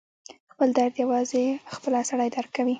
خپل درد یوازې خپله سړی درک کوي.